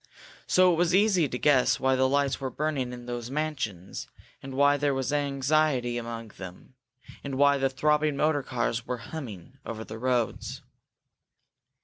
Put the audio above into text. So it was easy to guess why the lights were burning in those mansions, and why there was anxiety among them, and why the throbbing motor cars were humming over the roads.